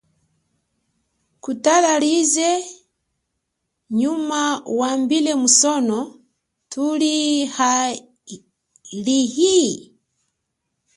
Kutala yize yuma wambile, musono thuli halihi?